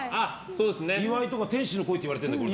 岩井とか天使の声って言われてるんだけど。